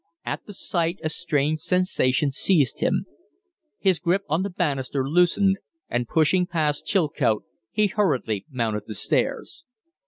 At the sight a strange sensation seized him; his grip on the banister loosened, and, pushing past Chilcote, he hurriedly mounted the stairs.